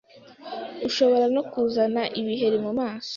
Ushobora no kuzana ibiheri mu maso